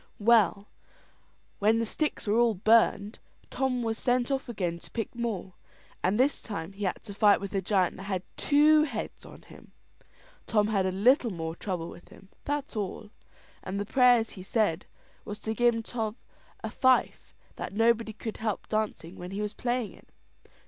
Well, when the sticks were all burned, Tom was sent off again to pick more; and this time he had to fight with a giant that had two heads on him. Tom had a little more trouble with him that's all; and the prayers he said, was to give Tom a fife; that nobody could help dancing when he was playing it.